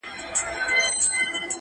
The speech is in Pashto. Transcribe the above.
کښته پورته یې ځغستله لاندي باندي!.